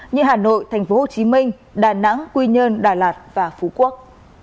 như hà nội tp hcm đà nẵng quy nhơn đà lạt và phú quốc